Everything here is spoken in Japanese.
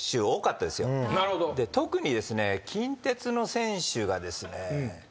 特にですね近鉄の選手がですね。